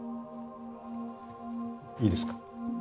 いいですか？